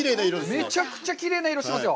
めちゃくちゃきれいな色していますよ。